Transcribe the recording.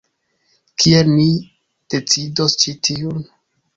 Kiel ni decidos ĉi tiun?